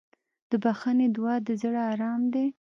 د بښنې دعا د زړه ارام دی.